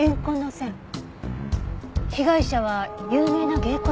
被害者は有名な芸妓さんよね？